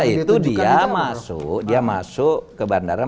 itu dia masuk ke bandara